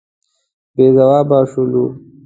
بې ځوابه شولو.